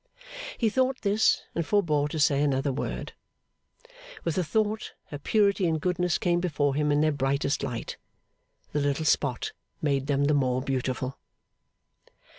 He thought this, and forbore to say another word. With the thought, her purity and goodness came before him in their brightest light. The little spot made them the more beautiful.